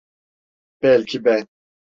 Belki ben…